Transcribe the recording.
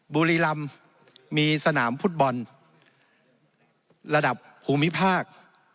บุรีรำมีสนามฟุตบอลระดับภูมิภาค